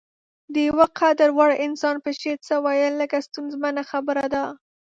د يو قدر وړ انسان په شعر څه ويل لږه ستونزمنه خبره ده.